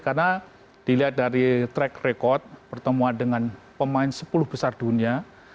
karena dilihat dari track record pertemuan dengan pemain sepuluh besar dunia